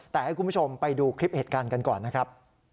แต่ให้คุณผู้ชมไปดูคลิปเหตุการณ์กันก่อนนะครับ